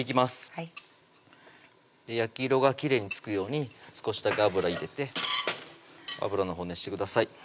はい焼き色がきれいにつくように少しだけ油入れて油のほう熱してください